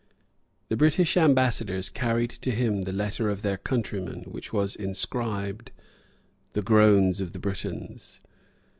The British ambassadors carried to him the letter of their countrymen, which was inscribed, "The groans of the Britons."